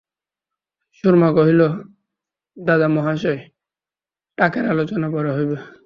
সুরমা কহিল, দাদামহাশয়, টাকের আলোচনা পরে হইবে।